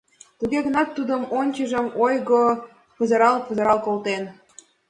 Туге гынат тудын оҥжым ойго пызырал-пызырал колтен.